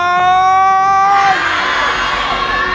น้องตาชอบให้แม่ร้องเพลง๒๐